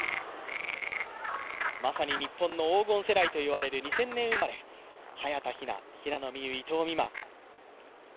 まさに日本の黄金世代と言われる２０００年生まれ、早田ひな、平野美宇、伊藤美誠。